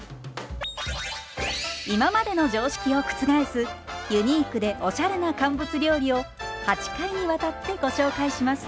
今までの常識を覆すユニークでおしゃれな乾物料理を８回にわたってご紹介します。